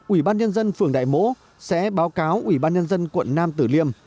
ủy ban nhân dân phường đại mỗ sẽ báo cáo ủy ban nhân dân quận nam tử liêm